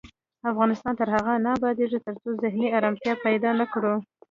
افغانستان تر هغو نه ابادیږي، ترڅو ذهني ارامتیا پیدا نکړو.